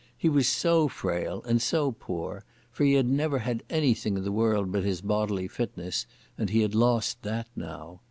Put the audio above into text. He was so frail and so poor, for he had never had anything in the world but his bodily fitness, and he had lost that now.